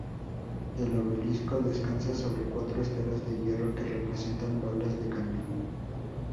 El obelisco descansa sobre cuatro esferas de hierro que representan balas de cañón.